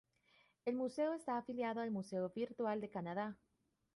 El museo está afiliado al Museo virtual de Canadá.